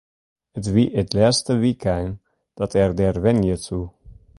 It wie it lêste wykein dat er dêr wenje soe.